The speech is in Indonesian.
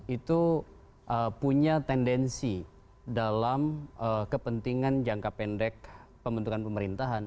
itu punya tendensi dalam kepentingan jangka pendek pembentukan pemerintahan